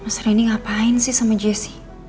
mas rini ngapain sih sama jes